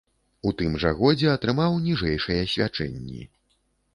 У тым жа годзе атрымаў ніжэйшыя свячэнні.